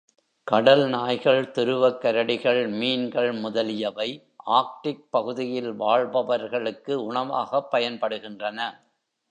கடல் நாய்கள், துருவக் கரடிகள், மீன்கள் முதலியவை ஆர்க்டிக் பகுதியில் வாழ்பவர்களுக்கு உணவாகப் பயன்படுகின்றன.